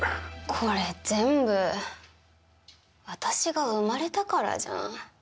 これ全部私が生まれたからじゃん。